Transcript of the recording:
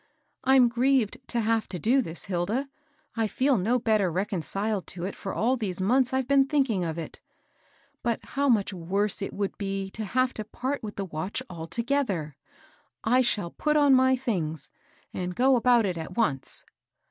I'm grieved to have to do this, Hilda. I feel no better reconciled to it for all these months I've been thinking of it ; but how much worse it would be to have to part with the watch altogether I I shall put on my things, and go about it at once."